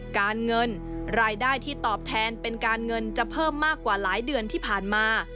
การเงินรายได้ที่ตอบแทนเป็นการเงินจะเพิ่มมากกว่าหลายเดือนที่ผ่านมา